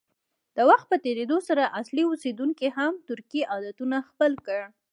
د وخت په تېرېدو سره اصلي اوسیدونکو هم ترکي عادتونه خپل کړل.